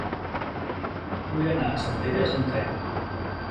Vull anar a Centelles amb tren.